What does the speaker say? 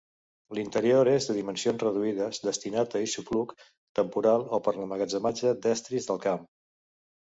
L'interior és de dimensions reduïdes, destinat a aixopluc temporal o per l'emmagatzematge d'estris del camp.